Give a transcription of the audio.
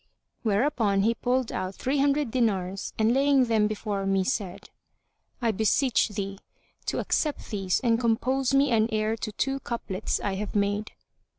Whereupon he pulled out three hundred dinars and laying them before me, said, "I beseech thee to accept these and compose me an air to two couplets I have made."